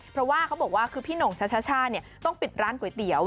เพราะว่าเขาบอกว่าคือพี่หน่งช่าต้องปิดร้านก๋วยเตี๋ยว